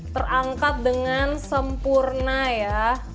terangkat dengan sempurna ya